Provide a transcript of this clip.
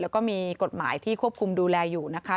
แล้วก็มีกฎหมายที่ควบคุมดูแลอยู่นะคะ